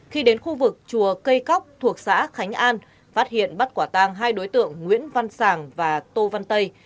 khi đến khu vực chùa cây cóc thuộc xã khánh an phát hiện bắt quả tang hai đối tượng nguyễn văn sàng và tô văn tây